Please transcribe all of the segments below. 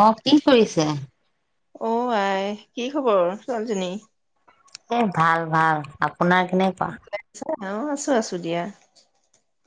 অ' কি কৰিছে? অ আই! কি খবৰ? ছোৱালী জনী? এ, ভাল! ভাল! আপোনাৰ আপোনাৰ কেনেকুৱা? অ আছো আছো দিয়া।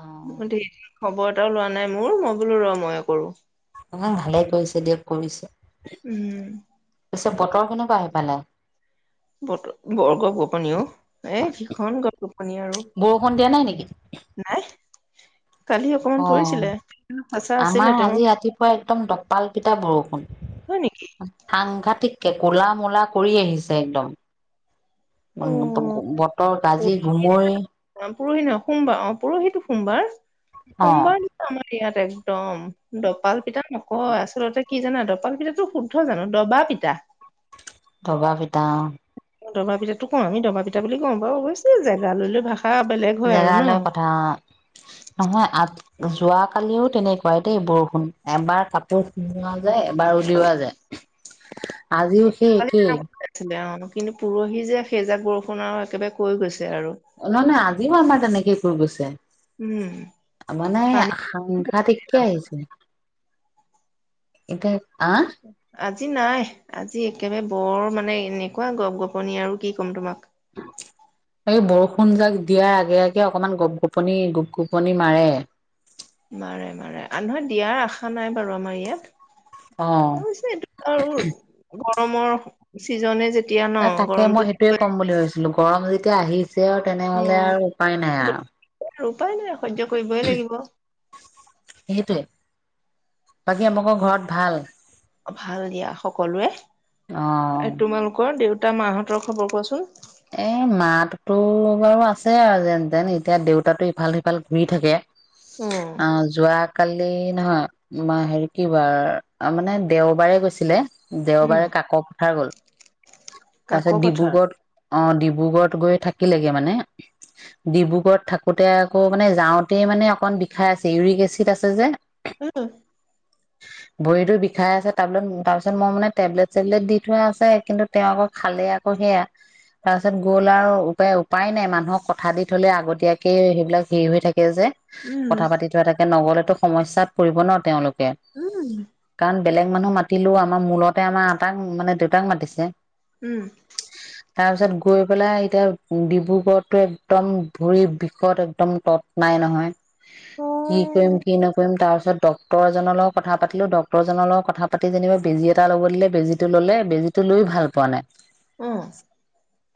অ [unintelligible] খবৰ এটাও লোৱা নাই মোৰ মই বোলো ৰ মইও কৰো। অ ভালে কৰিছে দিয়ক কৰিছে। উম। পিছে বতৰ কেনেকুৱা সেইফালে। বৰ গম গপনি অহ এ ভীষণ গপ। গপনি আৰু বৰষুণ দিয়া নাই নেকি। নাই কালি অকমান অ পৰিছিলে চাচা আছিলে আমাৰ তেওঁ আজি ৰাতিপুৱা একদম দপাল পিতা বৰষুণ হয় নেকি সাংঘাত। কে ক'লা মলা কৰি আহিছে একদম। অ উ [unintelligible] পৰহি পৰহি নহয় সোমবাৰ অ পৰহিতটো সোমবাৰ অ সোমবাৰ দি আমাৰ ইয়াত। একদম দপাল পিঠা নকয় আচলতে কি জানা দপাল পিঠাটো শুদ্ধ জানো দবা পিতা। ডবা পিতা অ। ডবা পিতাতো কওঁ আমি ডবা পিতা বুলি কওঁ বাৰু অৱশ্য জেগা লৈ ভাগ। জেগালৈ কথা নহয় অ। যোৱ কালিও তেনেকুৱাই দেই বৰষুণ এবাৰ কাপোৰ সোমোৱা যায় এবাৰ উলিওৱা যায়। আজিও সেই কালি একেই। তেনেকুৱা আছিলে অ কিন্তু পৰহি যে সেইজাক বৰষুণ আৰু একেবাৰে কৈ গৈছে। আৰু মানে আজি তেনেকে। সেই ফু গৈছে। উম মানে পানী সাংঘাতিককে আহিছে। এতিয়া। আহ। আজি নাই আজি একেবাৰে বৰ মানে এনেকুৱা গপ গপনি আৰু কি ক'ম তোমাক। এই বৰষুণ যাক দিয়াৰ আগে আগে অকমান গপ গোপনি গোপ গোপনি মাৰে। মাৰে মাৰে নহয় দিয়াৰ আশা নাই বাৰু আমাৰ অ ইয়াত। তছে এইটো আৰু গৰমৰ। চিজনে তেতিয়া। এ তাকে মই সেইটোয়ে ক'ম বুলি ভাবিছিলো। গৰম যেতিয়া আহি। আৰু অ তেনেহলে আৰু উপায় নাই আৰু আৰু উপায় নাই সহ্য কৰিবই লাগিব সেইটোৱে। বাকী আমোক ঘৰত ভাল। ভাল দিয়া সকলোৱে অ তোমালোকৰ দেউতা। টা মাহঁতৰ খবৰ কোৱাচোন। এ মাতো বাৰু আছে আৰু যেন যেন এতিয়া দেউতাতো ইফাল সিফাল ঘূৰি থাকে। উম, অ যোৱা কালি নহয়, মই হেৰি কি বাৰ মানে দেওবাৰে গৈছিলে উম, দেওবাৰে কাকত হে গ'ল। তাৰ কাক পিছত পথাৰ ডিব্ৰুগড় অ ডিব্ৰুগড়ত গৈ থাকিলেগে মানে, ডিব্ৰুগড়ত থাকোতে আকৌ মানে যাওঁতেই মানে অকমান বিষাই আছে ইউৰিক এচিড আছে যে। উম। ভৰিটো বিষাই আছে তাৰপিছত, তাৰপিছত মই মানে টেবলেট চেবলেট দি থোৱা আছে কিন্তু তেওঁ আকৌ খালে আকৌ সেয়া তাৰপাছত গ'ল আৰু উপায় উপায় নাই মানুহক কথা দি থলে আগতীয়াকেই সেইবিলাক হেৰি হৈ থাকে কে যে উম, কথা পাতি থোৱা এটা নগলেতো সমস্যাত পৰিব ন তেওঁলোকে, উম, কাৰণ বেলেগ মানুহ মাতিলেও আমাৰ মূলতে আমাৰ আটাক মানে দেউতাক মাতিছে। উম। তাৰ পিছত গৈ পেলাই এতিয়া ডিব্ৰুগড়তটো একদম ভৰি বিষত একদম তৎ নাই নহয়, কি কৰিম অ', কি নকৰিম, তাৰ পিছত ডক্তৰজনৰ লগত কথা পাতিলো ডক্তৰজনৰ লগত কথা পাতি যেনিবা বেজি এটা ল'ব দিলে বেজীটো ললে বেজী টো লৈ ভাল পোৱা নাই। অ',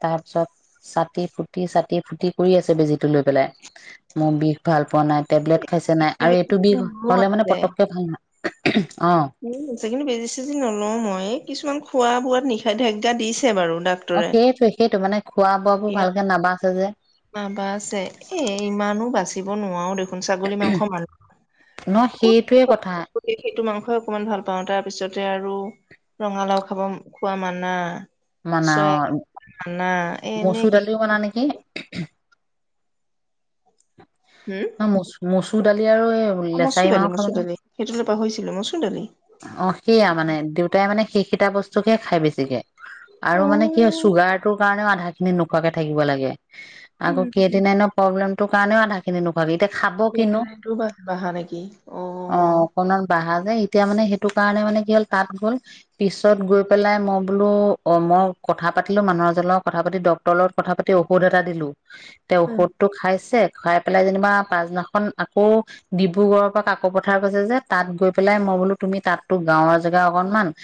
তাৰপিছত, চাটি ফুটি, চাটি ফুটি কৰি আছে বেজিটো লৈ পেলাই, মোৰ বিষ ভাল পোৱা নাই টেবলেট খাইছে নাই আৰু এইটো বিষ হলে মানে পতককে ভাল নহয় অ কিন্তু বেজি চেজি নলও মই এই কিছুমান খোৱা বোৱাত নিখেতজ্ঞা দিছে বাৰু অ ডাক্তৰে। সেইটোৱে সেইটো মানে খোৱা বোৱা বোৰ ভালকে নাবাচে যে নাবাছে, এ ইমানো বাচিব নোৱাৰো দেখোন ছাগলী মাংস মানুহ, ন ক'ত সেইটোৱে কথা সেইটো মাংস অকমান ভাল পাওঁ তাৰ পিছতে আৰু ৰঙালাও খাব খোৱা মানা মানা চয়া অ, মানা এ এনেকে মচুৰদালি বনাও নেকি? [unintelligible] হম। ন মচু মচু চুৰদালি অ মচুৰ দালি মচুৰ দালি, সেইটো পাহৰিছিলোঁ মই চুৰ দালি অ চোকে খাই বেছিকে আৰু অ মানে কি হয় চুগাৰটো কাৰণেও আধা খিনি নোখোৱাকে থাকিব লাগে। আগ কেইদিন সেইটো ন প্ৰব্লেম তোৰ কাৰণে আধা খিনি নুখুৱাবি, এতিয়া খাব কিনো সেইকাৰনে তোৰ বাচহা নেকি অ। নাই তেতিয়া মানে সেইটো কাৰণে মানে কি হ'ল তাত গ'ল, পিছত গৈ পেলাই মই বোলো, অ মই কথা পাতিলো মানুহৰজনৰ লগত কথা পাতি ডক্টৰৰ লগত কথা পাতি ঔষধ এটা দিলো তেওঁ উম। ঔষধটো খাইছে খাই পেলাই যেনিবা পাছদিনাখন আকৌ ডিব্ৰুগড়ৰ পৰা কাকো পথাৰ কৈছে যে তাত গৈ পেলাই মই বোলো তুমি তাতো গাঁৱৰ জেগা অকনমান,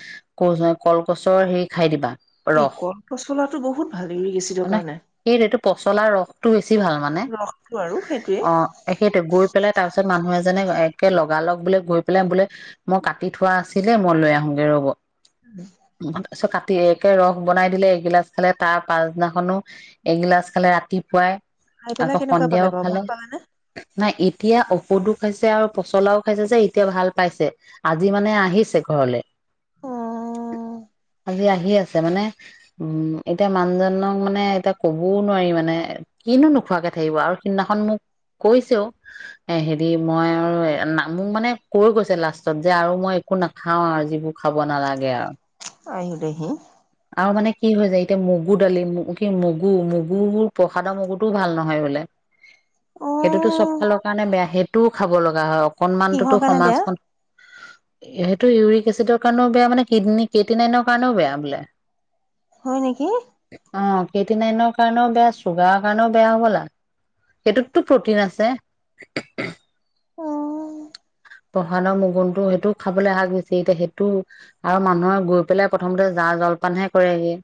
ক কলগছৰ হেৰি খাই দিবা এই ৰস কল পচলাটো বহুত ভালে ইউৰিক এছিডৰ মানে কাৰণে সেইটোটো পচলা ৰসটো বেছি ভাল মানে, ৰসটো আৰু সেইটোৱে অ সেইটো গৈ পেলাই তাৰপিছত মানুহে যেনে একে লগালগ বোলে গৈ পেলাই বোলে মই কাটি থোৱা আছিলে, মই লৈ আহোগৈ ৰ'ব। ছ কা একে ৰস বনাই দিলে এগিলাচ খালে তাৰ পাছদিনাখনো, এগিলাচ খালে ৰাতিপুৱাই খাই পেলাই আকৌ কেনেকুৱা পালে সন্ধিয়াও বাৰু ভাল খালে, পালানে নাই এতিয়া সদো খাইছে আৰু পচলাও খাইছে যে এতিয়া ভাল পাইছে আজি মানে আহিছে ঘৰলে, অ আজি আহি আছে মানে, উম এতিয়া মানুহজনক মানে এতিয়া কবও নোৱাৰি মানে কিনো নোখোৱাকে থাকিব আৰু সিদিনাখন মোক কৈছেও, এ হেৰি মই আৰু মোক মানে কৈ গৈছে লাষ্ট টত যে আৰু মই একো নাখাও আৰু যিবোৰ খাব নালাগে আৰু আহিলেহি। আৰু মানে কি হৈ যায় এতিয়া মগু দালি, মগু কি মগু মগুৰ প্ৰসাদৰ মগুটোও ভাল নহয় বোলে, অ সেইটোতো চব ফালৰ কাৰণে বেয়া সেইটোও খাব লগা হয় কিহৰ অকনমানটোতো কাৰণে বেয়া সমাজখন এইটো ইউৰিক এচিডৰ কাৰণেও বেয়া মানে কিডনি, কিডনী কাৰণেও বেয়া বোলে। হয় নেকি? এইট নাইনৰ কাৰণেও বেয়া, চুগাৰৰ কাৰণেও বেয়া হ'বলা সেইটোতো প্ৰটিন আছে। অ। সানৰ মগুনটো সেইটোও খাবলৈ আহা গৈছে এতিয়া সেইটো, আৰু মানুহে গৈ পেলাই প্ৰথমতে জা জলপানহে কৰেগে।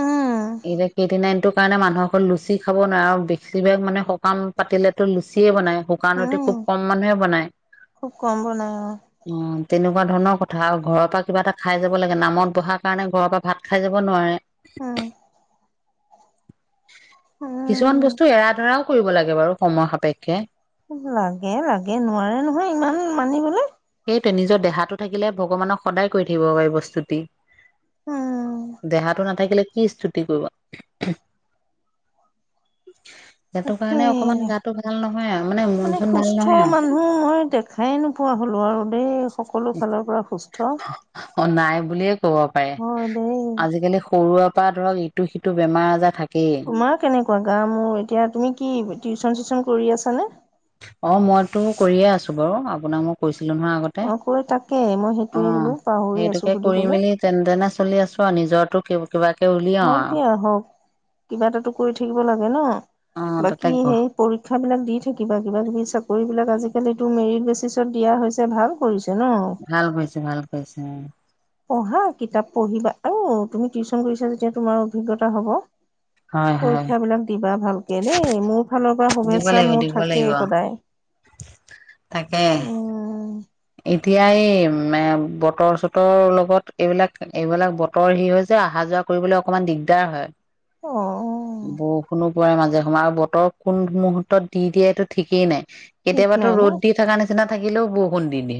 উম এই যে কেইদিনাতো সেই কাৰণে মানুহসকল লুচি খাব নোৱাৰে আৰু বেছিভাগ মানে সকাম পাতিলেতো লুচিয়ে বনায়। শুকান ৰুটি উম খুব কম মানুহে বনায়। খুব কম বনাই অ অ', তেনেকুৱা ধৰণৰ কথা আৰু ঘৰৰ পৰা কিবা এটা খাই যাব লাগে নামত বহাৰ কাৰণে ঘৰৰ পৰা ভাত খাই যাব নোৱাৰে। উম। কিছুমান বস্তু এৰা ধৰাও কৰিব লাগে বাৰু। সময় সাপেক্ষে। লাগে লাগে নোৱাৰে নহয় ইমান মানিবলৈ নিজৰ দেহাটো থাকিলে ভগৱানক সদায় কৰি থাকিব পাৰি বস্তুটি। উম। দেহাটো নাথাকিলে কি স্তুতি কৰিব। সেইটো তাকে, কাৰণে অকমান গাটো ভাল নহয় আৰু মন মানে চন ভাল সুস্থ নহয় আৰু মানুহ মই দেখাই নোপোৱা হলো আৰু। আমি সকলো ফালৰ পৰা সুস্থ অ নাই বুলিয়ে হব পাৰে, হয় দেই আজিকালি সৰুৱা বা ধৰক ইটো সিটো বেমাৰ আজাৰ থাকে তোমাৰ কেনেকুৱা গা? মোৰ এতিয়া তুমি কি টিউশচন চিচন কৰি আছা নে? অহ মইতো কৰিয়ে আছো বাৰু আপোনাক মই কৈছো নহয় আগতে। অ কৈ তাকে মই সেইটোৱে অহ, বোলো পাহৰি আছো সেইটোকে কৰি সুধিবলৈ মেলি তেন-তেনে চলি আছো আৰু, নিজৰৰতো কিবাকে উলিয়াও হওক আউ। দিয়া হওক কিবা এটাতো কৰি থাকিব লাগে ন? অ তাতে বাকী সেই পৰীক্ষা বিলাক দি থাকিবা, কিবা-কিবি চাকৰি বিলাক আজি [unintelligible] টো মেৰিট বেচিছত দিয়া হৈছে, ভাল কৰিছে। ন ভাল কৰিছে-ভাল কৰিছে। পঢ়া, কিতাপ পঢ়িবা। আৰু তুমি টিউশচন কৰিছা যেতিয়া তোমাৰ অভিজ্ঞতা হব। হয় হয় পৰীক্ষা বিলাক দিবা ভাল দেই মোৰ ফালৰ পৰা দিব শুভেচ্ছা লাগিব মোৰ দিব লাগিব থাকেই সদায়। তাকে। উম এতিয়া এই বতৰ-চতৰ লগত এইবিলাক-এইবিলাক বতৰ হি হয় যে, অহা যোৱা কৰিবলৈ অকনমান দিগদাৰ হয়। অহ বৰষুণো পৰে মাজে সময় আৰু বতৰ কোন মুহুৰ্তত দি দিয়াইটো ঠিকেই নাই। ঠিক কেতিয়াবাতো ৰ'দ দি থকা নিচিনা থাকিলেও বু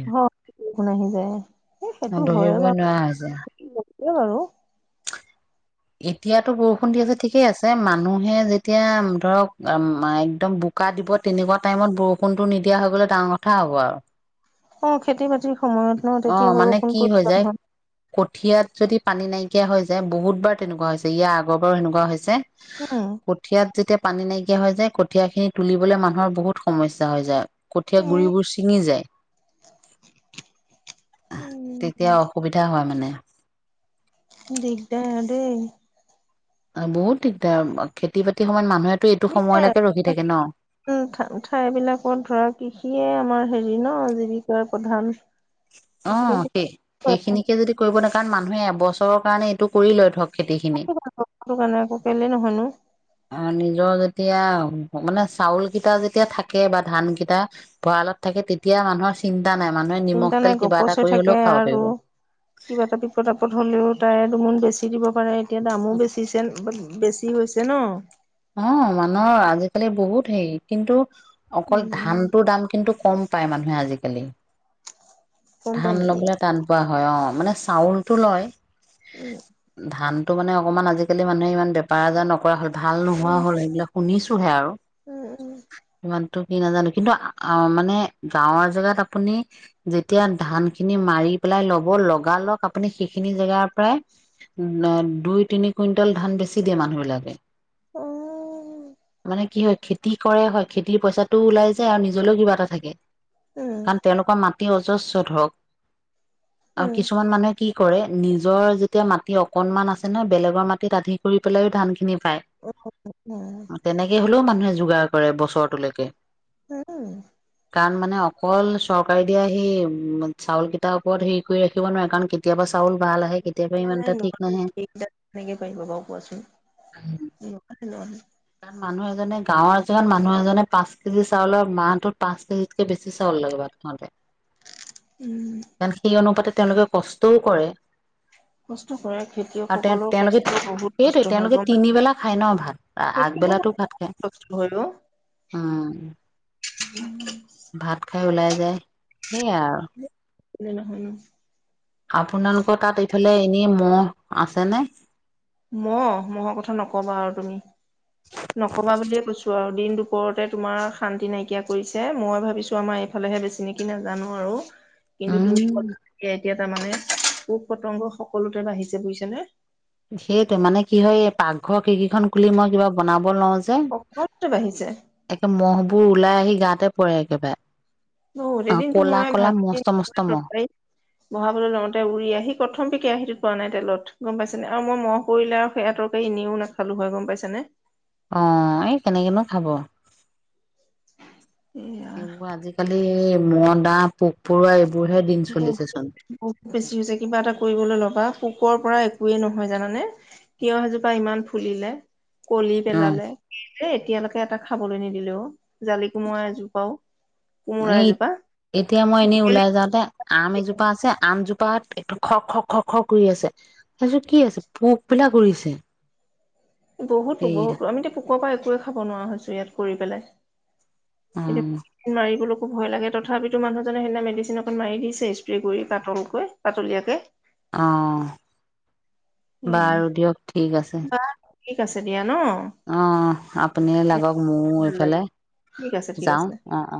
অহ [unintelligible] আহি যায়। হে সেইটো হয় ধৰিবই বাৰু। নোৱাৰা হৈছে অহ বাৰু। এতিয়াতো বৰষুণ দি আছে ঠিকেই আছে, মানুহে যেতিয়া ধৰক একদম বোকা দিব তেনেকুৱা টাইমত বৰষুণটো নিদিয়া হৈ গলৈ ডাঙৰ কথা হ'ব আৰু। অহ খেতি বাতিৰ সময়ত ন? অ তেতিয়া মানে কি হৈ যায় বৰষুণ [unintelligible] কঠিয়াত যদি পানী নাইকিয়া হৈ যায় বহুতবাৰ তেনেকুৱা হৈছে, ইয়াৰ আগৰ পৰাৰো সেনেকুৱা হৈছে। উম কঠিয়াত যেতিয়া পানী নাইকিয়া হৈ যায়, কঠীয়া খিনি তুলিবলৈ মানুহৰ বহুত সমস্যা হৈ যায়। কঠীয়া গুৰিবোৰ ছিঙি যায়। উম তেতিয়া অসুবিধা হয় মানে। দিগদাৰ দেই। অহ বহুত দিগদাৰ, খেতি বাতিৰ সময়ত মানুহে [inaudible] ঠাই-ঠাইবিলাকত ধৰা কৃষিয়ে আমাৰ হেৰি ন? কি কয় প্ৰধান। গতিকে অহ, সেই-সেইখিনিকে যদি কৰিব না কাৰণ মানুহে এবছৰৰ কাৰণে এইটো কৰি লয় ধৰক। খেতি খিনি টো ক কেলে নহয়নো? অ নিজৰ যেতিয়া, মানে চাউল কেইটা যেতিয়া থাকে বা ধান কেইটা ভঁৰালত থাকে তেতিয়া মানুহৰ চিন্তা নাই মানুহে নিমখ চিন্তা তেল নাই কিবা গপচ এটা হৈ কৰি হ'লেও থাকে খাব আৰু, পাৰিব। কিবা এটা বিপদ আপদ হলেও তাই দুমোন বেছি দিব। এতিয়া দামো বেছি যেন কি হৈছে ন। অ মানুহৰ আজিকালি বহুত হেৰি কিন্তু অকল উম ধানটোৰ দাম কিন্তু কম পায় মানুহে আজিকালি। গম পাই ধান নেকি লবলৈ টান পোৱা হয় অ। মানে চাউলটো লয় উম। ধানটো মানে অকমান আজিকালি মানুহে ইমান বেপাৰ আজাৰ নকৰা হ'ল ভাত ভাল নোহোৱা হ'ল এইবিলাক শুনিছোহে আৰু উম উম। টো কি নাজানো, কিন্তু আহ মানে গাঁৱৰ জেগাত আপুনি যেতিয়া ধান খিনি মাৰি পেলাই লব লগালগ আপুনি সেইখিনি জেগাৰ পৰায়, দুই তিনি কুইণ্টল ধান বেছি দিয়ে মানুহ বিলাকে উম মানে কি হয় খেতি কৰে হয়, খেতিৰ পইচাটো ওলাই যায় আৰু নিজলৈও কিবা এটা থাকে। উম কাৰণ তেওঁলোকৰ মাত অতি অজস্ব ধক আৰু উম কিছুমান মানুহে কি কৰে নিজৰ যেতিয়া মাটি অকনমান আছে ন বেলেগৰ মাটিত আধি কৰি পেলাইও ধান খিনি পায়। তেনেকে হ'লেও মানুহে যোগাৰ কৰে বছৰটোলৈকে। উম। কাৰণ মানে অকল চৰকাৰে দিয়া সেই চাউলকেইটাৰ ওপৰত হেৰি কৰি ৰাখিব নোৱাৰে কাৰণ কেতিয়াবা চাউল ভাল আহে, কেতিয়াবা নাই ইমান নাই এটা ঠিক নাহে। কেনেকে হয় ন, মানুহ এজনে গাঁৱৰ এজেগাত মানুহ এজনে পাঁচ কেজি চাউলৰ মাহটোত পাঁচ কেজিতকে বেছি চাউল লাগে, ভাত খাওতে। উম মানখিনি অনুপাতে তেওঁলোকে কষ্টও কৰে কষ্ট কৰে আৰু তেওঁ খেতিয়কসকলৰ তেওঁলোকে কষ্ট বহুত সেইটোৱে কষ্ট হয় তেওঁলোকে গম তিনিবেলা খায় ন ভাত আগবেলাতো খেতিয়কসকলৰ ভাত খায়, কষ্ট উম উম। উম [inaudible] ভাত খাই ওলাই যায় আৰু উম উম। আপোনালোকৰ তাত এইফালে এনেই মহ আছে নে? মহ, মহৰ কথা নকবা আৰু তুমি, নকবা বুলিয়ে কৈছো আৰু দিন দুপৰতে তোমাৰ শান্তি নাইকিয়া কৰিছে, মই ভাবিছো আমাৰ এইফালেহে বেছি নেকি নাজানো আৰু কিন্তু তুমি উম কব নালাগে এতিয়া তাৰমানে পোক- পতংগ সকলোতে বাঢ়িছে বুজিছ নে। সেইটো মানে কি হয় এই পাকঘৰ খিৰিকীখন খুলি মই কিবা বনাব লওঁ যে, সকলোতে বাঢ়িছে একে মহ বোৰ ওলাই আহি গাতে পৰে একেবাৰে। বহুত অ এদিনো কলা মই কলা মস্ত মস্ত মহ ভাজি, বহাবলৈ লওঁতে উৰি আহি প্ৰথম কেৰাহীটো পোৱা নাই তেলত। গম পাইছে নে আৰু মই মহ কৰিলে আৰু সেয়াঁতৰকে এনেও নাখালো হয় গম পাইছে নে। অ এই কেনেকেনো খাব। এয়া এইবোৰ আজিকালি এই মদা পোক পৰুৱা এই বহুত, বহুত বেছি হৈছে কিবা এটা কৰিবলৈ ল'বা। পোকৰ পৰা একোৱেই নহয় জানানে, তিয়হ এজোপা ইমান ফুলিলে কলি অ পেলালে এ এতিয়ালৈকে এটা খাবলৈ নিদিলেও অ, জালি কোমুৰা এজোপাও কোমোৰা এ, এজোপা এতিয়া মই এনেই বেলেগ ওলাই যাওঁতে আম এজোপা আছে, আমজোপা পাত এক খ খ খ খ কৰি আছে, ভাবিছো কি আছে, পোক বিলাক উৰিছে। বহুতো এইয়া বহুতো আমি কৰ পৰা একোৱে খাব নোৱাৰা হৈছো, ইয়াত কৰি পেলাই অ এতিয়া, মাৰিবলৈ খুব ভয় লাগে তথাপিতো মানুহজনে সেইদিনা মেডিচিন এখন মাৰি দিছে স্প্ৰে কৰি পাতলকৈ, পাতলীয়াকে অহ। এয়া বাৰু দিয়ক, ঠিক আছে। ঠিক আছে দিয়া। ন অ আপুনিও লাগক মইও ভাল লাগে এইফালে, ঠিক আছে ঠিক যাওঁ আছে অ অ।